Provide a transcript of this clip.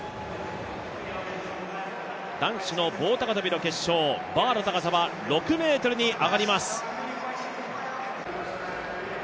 男子の棒高跳の決勝、バーの高さは６ｍに上がります。